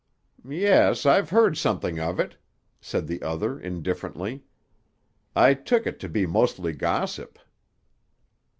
"Yes, I've heard something of it," said the other indifferently. "I took it to be mostly gossip."